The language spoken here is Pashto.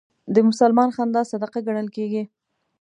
د مسلمان خندا صدقه ګڼل کېږي.